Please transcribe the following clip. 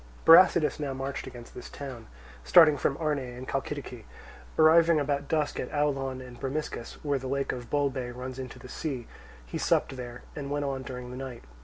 Brasidas now marched against this town, starting from Arne in Chalcidice. Arriving about dusk at Aulon and Bromiscus, where the lake of Bolbe runs into the sea, he supped there, and went on during the night.